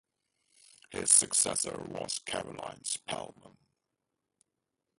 His successor was Caroline Spelman.